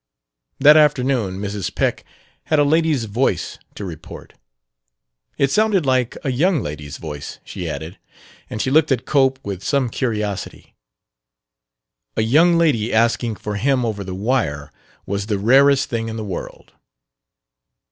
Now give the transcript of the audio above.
That afternoon Mrs. Peck had "a lady's voice" to report: "It sounded like a young lady's voice," she added. And she looked at Cope with some curiosity: a "young lady" asking for him over the wire was the rarest thing in the world.